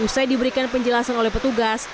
usai diberikan penjelasan oleh petugas